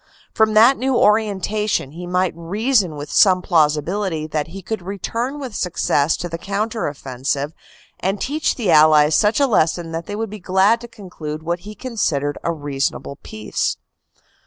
From that new orienta tion he might reason with some plausibility that he could return with success to the counter offensive and teach the Allies such a lesson that they would be glad to conclude what he con sidered a reasonable peace.